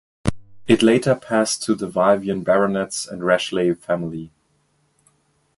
It later passed to the Vyvyan baronets and Rashleigh family.